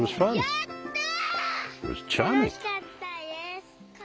やったー！